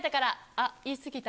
あっ、言い過ぎた。